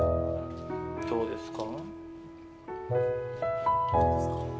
どうですか？